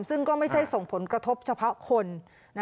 ซึ่งก็ไม่ใช่ส่งผลกระทบเฉพาะคน